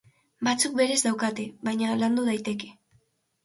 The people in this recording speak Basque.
Batzuk berez daukate, baina landu daiteke.